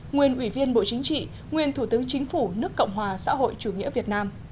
nguyên ủy viên bộ chính trị nguyên thủ tướng chính phủ nước cộng hòa xã hội chủ nghĩa việt nam